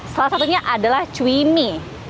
salah satunya adalah cui mie